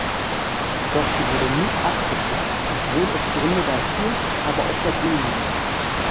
Doch sie wurde nie abgeschafft, obwohl es Gründe dafür, aber auch dagegen gibt.